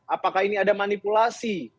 apakah ini ada manipulasi